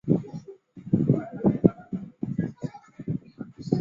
奇鳗为康吉鳗科奇鳗属的鱼类。